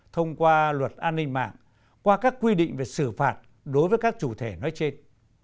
thông qua luật an ninh mạng qua các quy định về xử phạt đối với các chủ thể nói trên